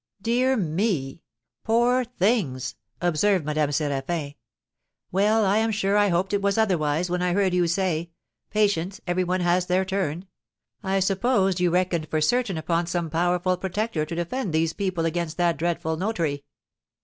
"Dear me, poor things!" observed Madame Séraphin. "Well, I'm sure I hoped it was otherwise when I heard you say, 'Patience; every one has their turn!' I supposed you reckoned for certain upon some powerful protector to defend these people against that dreadful notary."